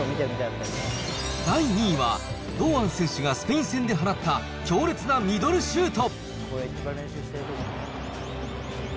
第２位は、堂安選手がスペイン戦で放った強烈なミドルシュート。